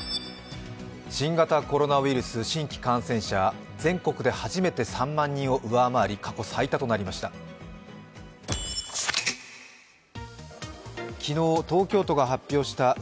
新型コロナウイルス新規感染者、全国で初めて３万人を上回り過去最多となりました。